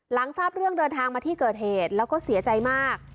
ทราบเรื่องเดินทางมาที่เกิดเหตุแล้วก็เสียใจมาก